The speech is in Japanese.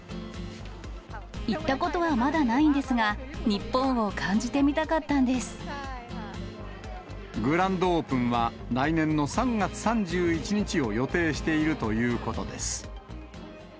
行ったことはまだないんですが、グランドオープンは、来年の３月３１日を予定しているということです。